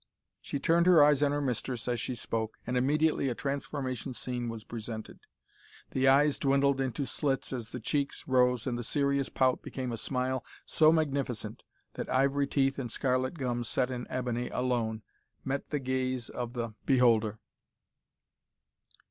She turned her eyes on her mistress as she spoke, and immediately a transformation scene was presented. The eyes dwindled into slits as the cheeks rose, and the serious pout became a smile so magnificent that ivory teeth and scarlet gums set in ebony alone met the gaze of the beholder.